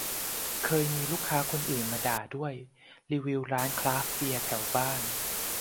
เคยมีลูกค้าคนอื่นมาด่าด้วย รีวิวร้านคราฟต์เบียร์แถวบ้าน